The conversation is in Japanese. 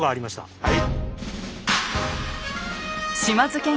はい。